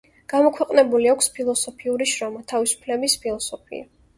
გამოქვეყნებული აქვს ფილოსოფიური შრომა „თავისუფლების ფილოსოფია“.